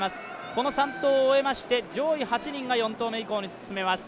この３投を終えまして上位８人が４投目以降に進めます。